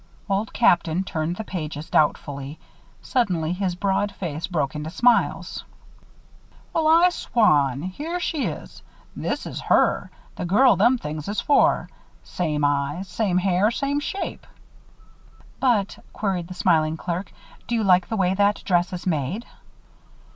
Old Captain turned the pages, doubtfully. Suddenly his broad face broke into smiles. "Well, I swan! Here she is. This is her the girl them things is for. Same eyes, same hair, same shape " "But," queried the smiling clerk, "do you like the way that dress is made?"